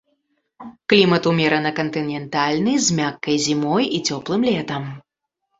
Клімат умерана кантынентальны з мяккай зімой і цёплым летам.